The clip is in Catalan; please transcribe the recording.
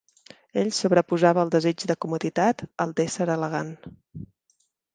Ell sobreposava el desig de comoditat al d'ésser elegant.